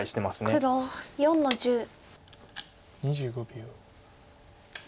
２５秒。